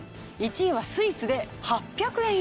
１位はスイスで８００円以上。